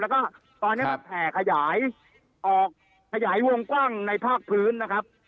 แล้วก็ตอนนี้มันแผ่ขยายออกขยายวงกว้างในภาคพื้นนะครับ